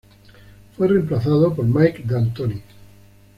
Fue reemplazado por Mike D'Antoni.